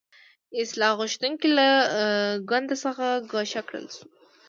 اصلاح غوښتونکي له ګوند څخه ګوښه کړل شو.